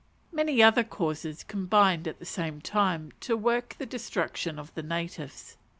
Many other causes combined at the same time to work the destruction of the natives.